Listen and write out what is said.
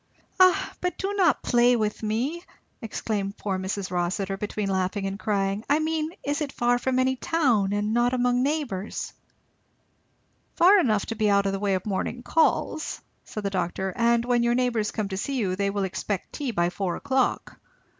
"Ah but do not play with me," exclaimed poor Mrs. Rossitur between laughing and crying; "I mean is it far from any town and not among neighbours?" "Far enough to be out of the way of morning calls," said the doctor; "and when your neighbours come to see you they will expect tea by four o'clock.